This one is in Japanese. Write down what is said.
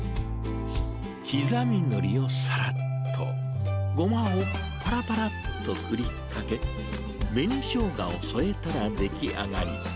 刻みのりをさらっと、ゴマをぱらぱらっと振りかけ、紅ショウガを添えたら出来上がり。